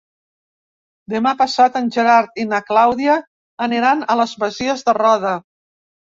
Demà passat en Gerard i na Clàudia aniran a les Masies de Roda.